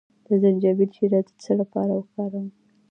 د زنجبیل شیره د څه لپاره وکاروم؟